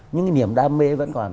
những cái niềm đam mê vẫn còn